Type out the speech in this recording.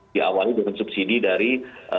di awal itu dengan subsidi dari